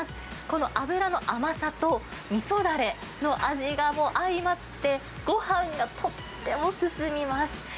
この脂の甘さとみそだれの味が相まって、ごはんがとっても進みます。